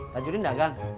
tanjurin dah gang